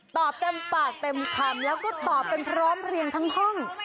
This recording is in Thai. ตอบเติมปากเติมคำแล้วก็ตอบเป็นพร้อมทั่งห้อง